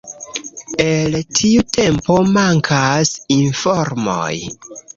El tiu tempo mankas informoj.